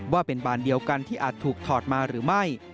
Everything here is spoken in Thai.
ว่าเป็นบานเดียวกันที่อาจถูกถอดมาหรือไม่